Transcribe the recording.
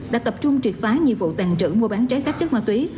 đã tập trung truyệt phá nhiệm vụ tàn trữ mua bán trái phép chất ma túy